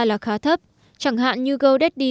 là khá thấp chẳng hạn như godaddy